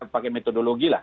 pakai metodologi lah